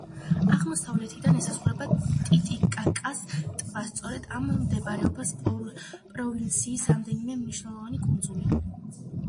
აღმოსავლეთიდან ესაზღვრება ტიტიკაკას ტბა, სწორედ აქ მდებარეობს პროვინციის რამდენიმე მნიშვნელოვანი კუნძული.